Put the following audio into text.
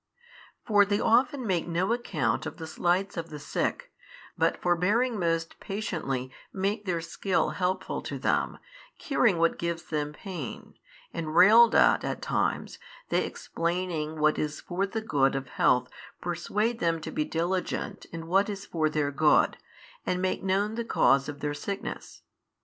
For they often make no account of the slights of the sick, but forbearing most patiently make their skill helpful to them, curing what gives them pain, and railed at at times, they explaining what is for the good of health persuade them to be diligent in what is for their good and make known the cause of their sickness.